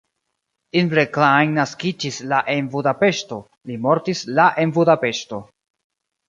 Imre Klein naskiĝis la en Budapeŝto, li mortis la en Budapeŝto.